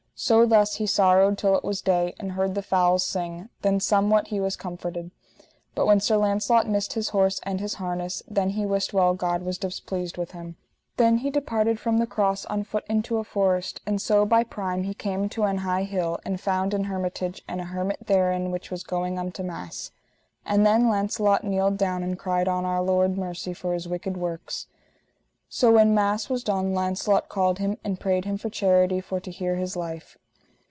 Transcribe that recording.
So thus he sorrowed till it was day, and heard the fowls sing: then somewhat he was comforted. But when Sir Launcelot missed his horse and his harness then he wist well God was displeased with him. Then he departed from the cross on foot into a forest; and so by prime he came to an high hill, and found an hermitage and a hermit therein which was going unto mass. And then Launcelot kneeled down and cried on Our Lord mercy for his wicked works. So when mass was done Launcelot called him, and prayed him for charity for to hear his life.